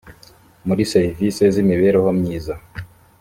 muri serivisi z imibereho myiza